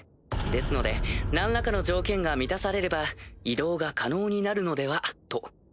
ですので何らかの条件が満たされれば移動が可能になるのではと。